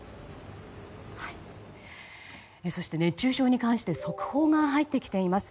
そして、熱中症に関して速報が入ってきています。